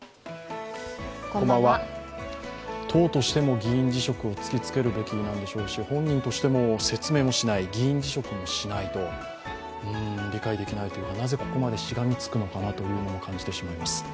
党としても議員辞職を突きつけるべきなんでしょうし本人としても説明もしない議員辞職もしないと、理解できないというか、なぜここまでしがみつくのかなと感じてしまいます。